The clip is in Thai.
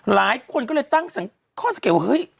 หลายคนก็เลยตั้งข้อสังเกตว่าเฮ้ย